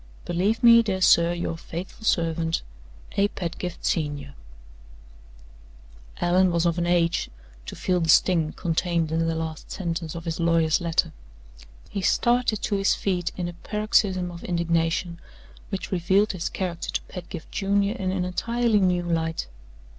"Believe me, dear sir, your faithful servant, "A. PEDGIFT, Sen." Allan was of an age to feel the sting contained in the last sentence of his lawyer's letter. He started to his feet in a paroxysm of indignation, which revealed his character to Pedgift Junior in an entirely new light.